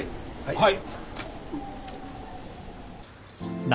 はい。